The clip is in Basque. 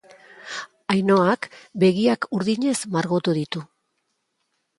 Ainhoak begiak urdinez margotu ditu.